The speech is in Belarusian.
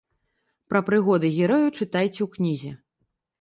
Пра прыгоды герояў чытайце ў кнізе.